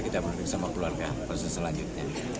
kita memimpin sama keluarga proses selanjutnya